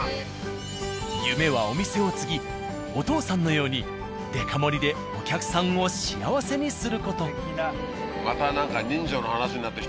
夢はお店を継ぎお父さんのようにデカ盛りでお客さんを幸せにする事。